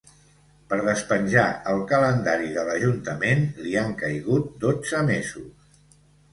Per despenjar el calendari de l’ajuntament li han caigut dotze mesos.